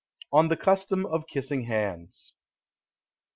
ON THE CUSTOM OF KISSING HANDS.